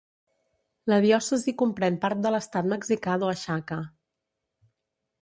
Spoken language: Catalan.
La diòcesi comprèn part de l'estat mexicà d'Oaxaca.